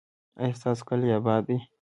ایا ستاسو کلی اباد دی؟